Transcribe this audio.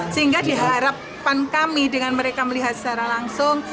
sehingga diharapkan kami dengan mereka melihat secara langsung